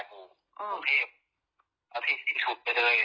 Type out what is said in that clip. ตรงนั้นน้องก็เสียไปแล้ว